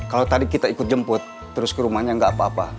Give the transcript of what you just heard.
kalau tadi kita ikut jemput terus ke rumahnya nggak apa apa